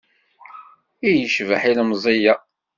I yecbeḥ ilemẓi-a!